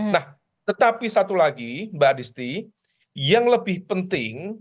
nah tetapi satu lagi mbak disti yang lebih penting